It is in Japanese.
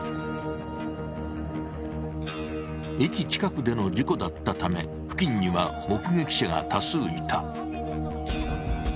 駅近くでの事故だったため付近には目撃者が多数いた。